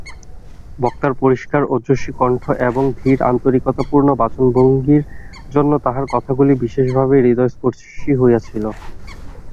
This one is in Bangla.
বক্তার পরিষ্কার ওজস্বী কণ্ঠ এবং ধীর আন্তরিকতাপূর্ণ বাচনভঙ্গীর জন্য তাঁহার কথাগুলি বিশেষভাবে হৃদয়স্পর্শী হইয়াছিল।